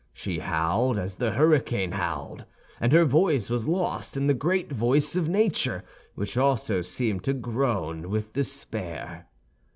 She howled as the hurricane howled; and her voice was lost in the great voice of nature, which also seemed to groan with despair.